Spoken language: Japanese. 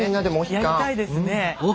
やりたいですね。